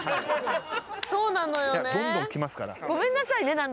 そうなのよね。